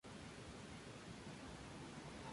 Detestaba no tener nada que hacer sobre eso.